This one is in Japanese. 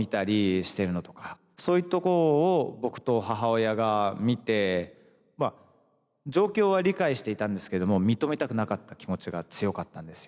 そういうとこを僕と母親が見て状況は理解していたんですけども認めたくなかった気持ちが強かったんですよね。